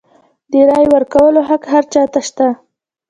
د رایې ورکولو حق هر چا ته شته.